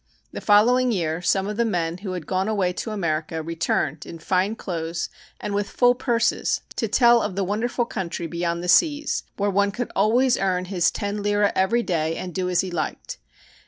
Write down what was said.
The following year some of the men who had gone away to America returned in fine clothes and with full purses to tell of the wonderful country beyond the seas, where one could always earn his ten lire every day and do as he liked.